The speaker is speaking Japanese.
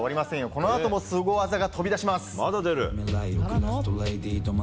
このあともスゴ技が飛び出します。